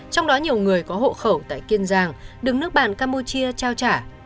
trong đó nhiều người có hộ khẩu tại kiên giang đứng nước bạn campuchia trao trả